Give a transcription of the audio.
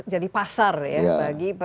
jadi pasar ya